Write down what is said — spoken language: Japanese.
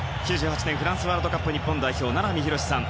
９８年フランスワールドカップ代表名波浩さん